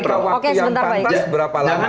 oke sebentar mbak yu